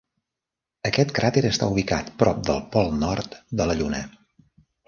Aquest cràter està ubicat prop del pol nord de la Lluna.